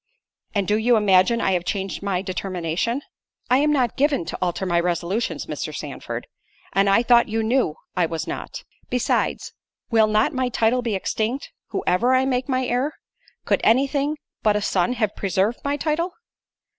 And do you imagine I have changed my determination? I am not given to alter my resolutions, Mr. Sandford; and I thought you knew I was not; besides, will not my title be extinct, whoever I make my heir? Could any thing but a son have preserved my title?"